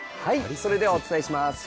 それではお伝えします。